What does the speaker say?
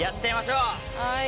はい。